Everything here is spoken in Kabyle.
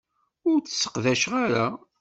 Ur t-sseqdaceɣ ara.